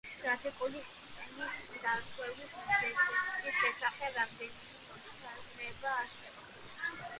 გრაფიკული სისტემის დარღვევის მიზეზების შესახებ რამდენიმე მოსაზრება არსებობს.